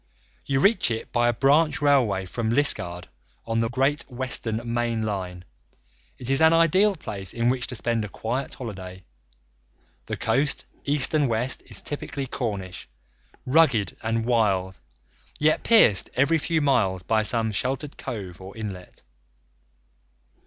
You reach it by a branch railway from Liskeard, on the Great Western main line. It is an ideal place in which to spend a quiet holiday. The coast east and west is typically Cornish, rugged and wild, yet pierced every few miles by some sheltered cove or inlet.